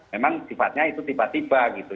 memang sifatnya itu tiba tiba gitu